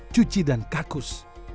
cuci dan kakus